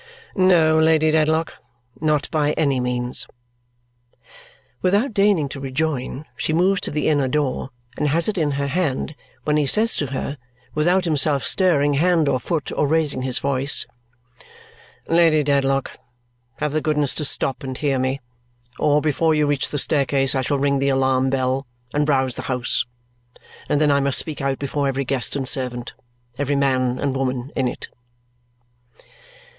"No, Lady Dedlock, not by any means." Without deigning to rejoin, she moves to the inner door and has it in her hand when he says to her, without himself stirring hand or foot or raising his voice, "Lady Dedlock, have the goodness to stop and hear me, or before you reach the staircase I shall ring the alarm bell and rouse the house. And then I must speak out before every guest and servant, every man and woman, in it."